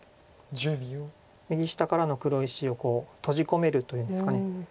右下からの黒石を閉じ込めるというんですか。